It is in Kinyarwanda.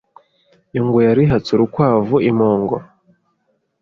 Ingwe yari ihatse urukwavu, impongo,